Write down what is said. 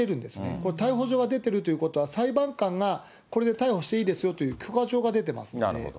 これ、逮捕状が出てるということは、裁判官がこれで逮捕していいですよという許可状が出てますので。